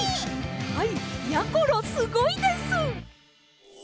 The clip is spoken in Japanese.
はいやころすごいです！